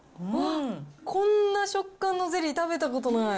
こんな食感のゼリー、食べたことない。